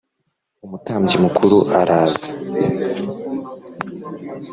umutambyi mukuru araza